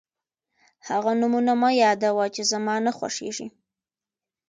هغه نومونه مه یادوه چې زما نه خوښېږي.